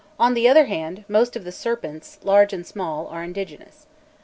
On the other hand, most of the serpents, large and small, are indigenous.